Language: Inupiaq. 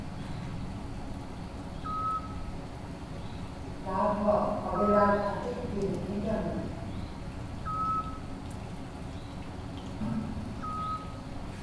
taavva avilaitqatikpiñ iḷaŋi